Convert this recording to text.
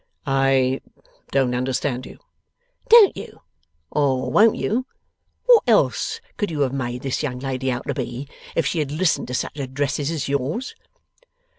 'I don't understand you.' 'Don't you? Or won't you? What else could you have made this young lady out to be, if she had listened to such addresses as yours?